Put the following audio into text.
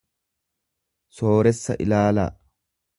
sooressa ilaalaa.